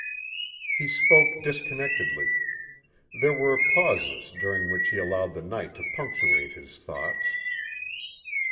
He spoke disconnectedly. There were pauses during which he allowed the night to punctuate his thoughts.